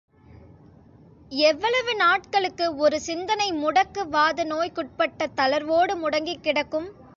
எவ்வளவு நாட்களுக்கு ஒரு சிந்தனை முடக்கு வாத நோய்க்குட்பட்ட தளர்வோடு முடங்கிக்கிடக்கும்?